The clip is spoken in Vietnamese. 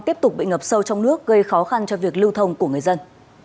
tiếp tục bị ngập sâu trong nước gây khó khăn cho việc lưu thông của người dân